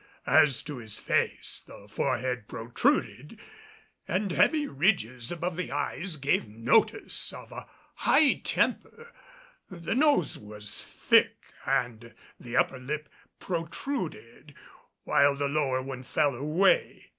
As to his face, the forehead protruded, and heavy ridges above the eyes gave notice of a high temper; the nose was thick, and the upper lip protruded, while the lower one fell away.